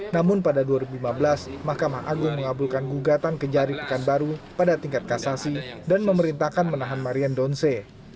namun pada dua ribu lima belas mahkamah agung mengabulkan gugatan ke jari pekanbaru pada tingkat kasasi dan memerintahkan menahan marian donce